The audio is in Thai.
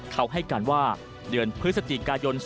เขาให้การว่าเดือนพฤศจิกายน๒๕๖